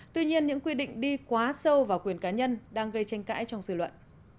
tuy nhiên những quy định đi quá sâu vào quyền cá nhân đang gây tranh cãi trong dự luận